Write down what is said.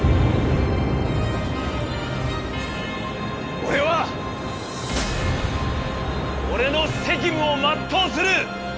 俺は俺の責務を全うする！